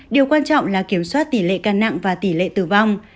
điều quan trọng là kiểm soát tỷ lệ ca nặng và tỷ lệ tử vong